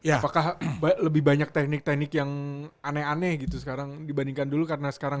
apakah lebih banyak teknik teknik yang aneh aneh gitu sekarang dibandingkan dulu karena sekarang